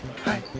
はい。